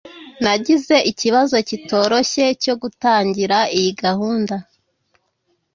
Nagize ikibazo kitorohye cyo gutangira iyi gahunda